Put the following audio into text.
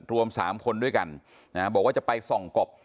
รวม๓คนด้วยกันบอกว่าจะไปส่องกบ